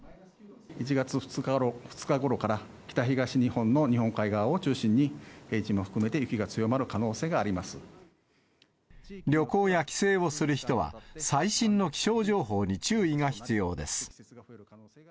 １月２日ごろから、北、東日本の日本海側を中心に、平地も含めて雪が強まる可能性が旅行や帰省をする人は、最新の気象情報に注意が必要です。